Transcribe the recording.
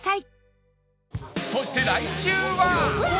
そして来週は